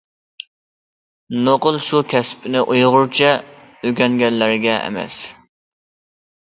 نوقۇل شۇ كەسىپنى ئۇيغۇرچە ئۆگەنگەنلەرگە ئەمەس.